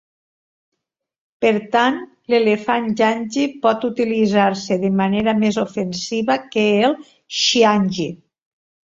Per tant, l'elefant janggi pot utilitzar-se de manera més ofensiva que el xiangqi.